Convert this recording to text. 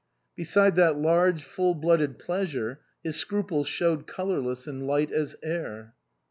Beside that large, full blooded pleasure, his scruples showed colourless and light as air.